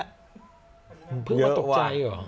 ไม่ไม่มันตกใจหรอ